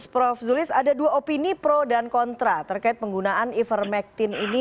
prof zulis ada dua opini pro dan kontra terkait penggunaan ivermectin ini